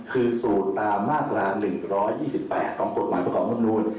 คือสูตรตามมาตรา๑๒๘ของกฎหมายประกอบรัฐนูล